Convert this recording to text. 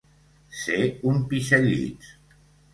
Ser un pixallits.